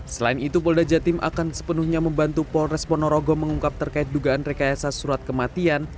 selain itu polda jatim akan sepenuhnya membantu polres ponorogo mengungkap terkait dugaan rekayasa surat kematian